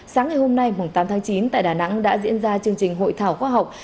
sáng ngày hôm nay tám tháng chín tại đà nẵng đã diễn ra chương trình hội thảo khoa học